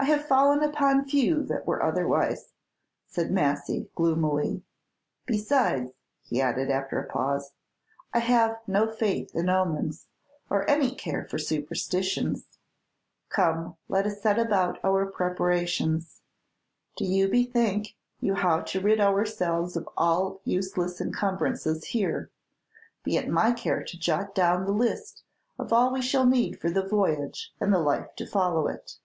"I have fallen upon few that were otherwise," said Massy, gloomily; "besides," he added, after a pause, "I have no faith in omens, or any care for superstitions. Come, let us set about our preparations. Do you bethink you how to rid ourselves of all useless encumbrances here. Be it my care to jot down the list of all we shall need for the voyage and the life to follow it.